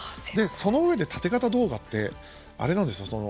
その上でタテ型動画ってあれなんですよ。